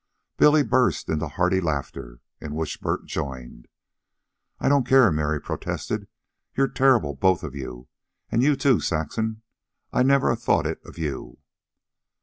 Billy burst into hearty laughter, in which Bert joined. "I don't care," Mary protested, "You're terrible, both of you an' you, too, Saxon. I'd never a thought it of you."